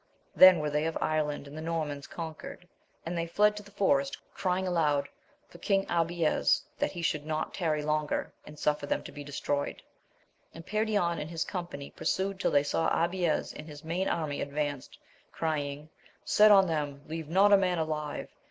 Then were they of Ireland and the Normans conquered, and they fled to the forest, crying aloud for King Abies that he should not tarry longer, and suffer them to be destroyed; and Perion and his company pursued till they saw Abies and his main army advance, crying, Set on them ! leave not a man alive